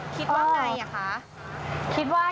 คิดว่าไงอ่ะคะ